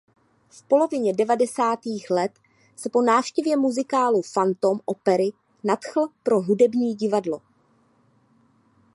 V polovině devadesátých let se po návštěvě muzikálu Fantom opery nadchl pro hudební divadlo.